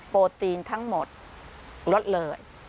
โปรตีนทั้งหมดลดเลย